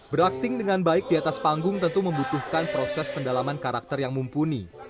berakting dengan baik di atas panggung tentu membutuhkan proses pendalaman karakter yang mumpuni